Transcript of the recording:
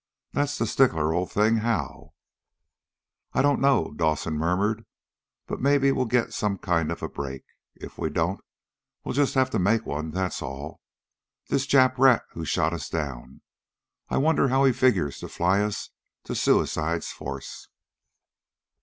That's the stickler, old thing. How?" "I don't know," Dawson murmured. "But maybe we'll get some kind of a break. If we don't, we'll just have to make one, that's all. This Jap rat who shot us down, I wonder how he figures to fly us to Suicide's force?"